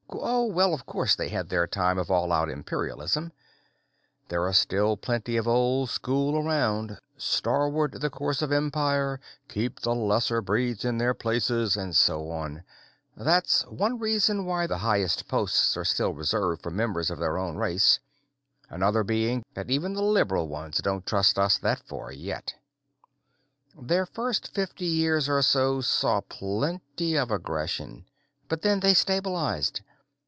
"Oh, well, of course they had their time of all out imperialism. There are still plenty of the old school around, starward the course of empire, keep the lesser breeds in their place, and so on. That's one reason why the highest posts are still reserved for members of their own race, another being that even the liberal ones don't trust us that far, yet. "Their first fifty years or so saw plenty of aggression. But then they stabilized.